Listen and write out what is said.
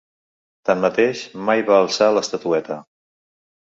Tanmateix, mai va alçar l’estatueta.